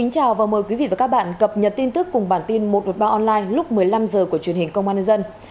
chào mừng quý vị đến với bản tin một trăm một mươi ba online lúc một mươi năm h của truyền hình công an nhân dân